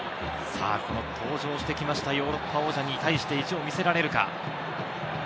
登場してきましたヨーロッパ王者に対して意地を見せられるか。